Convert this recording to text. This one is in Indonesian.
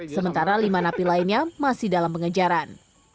sementara lima napi lainnya masih dalam pengejaran